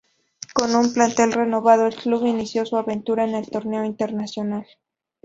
Con un plantel renovado, el club inició su aventura en el torneo internacional.